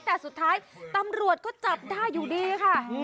แต่สุดท้ายตำรวจก็จับได้อยู่ดีค่ะ